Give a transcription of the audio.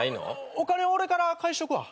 お金俺から返しとくわ。